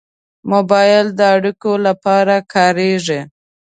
موبایل د اړیکو لپاره کارېږي.